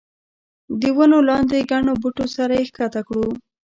د ونو لاندې ګڼو بوټو سره یې ښکته کړو.